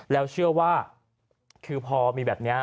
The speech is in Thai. แล้วเชื่อว่าคือพอมีแบบนี้